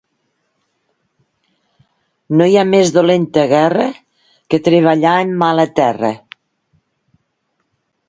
No hi ha més dolenta guerra que treballar en mala terra.